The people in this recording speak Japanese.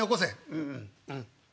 うんうんうん。